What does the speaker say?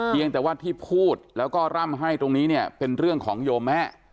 ยังแต่ว่าที่พูดแล้วก็ร่ำให้ตรงนี้เนี่ยเป็นเรื่องของโยมแม่